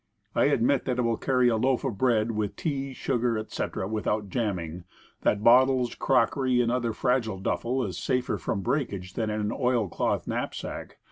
I admit that it will carry a loaf of bread, with tea, sugar, etc., without jamming; that bottles, crockery, and other fragile duffle is safer from breakage than in an oil cloth knapsack.